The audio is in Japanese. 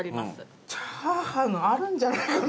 チャーハンあるんじゃないかな？